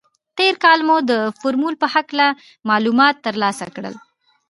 تېر کال مو د فورمول په هکله معلومات تر لاسه کړل.